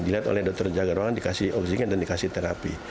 dilihat oleh dokter jaga ruangan dikasih oksigen dan dikasih terapi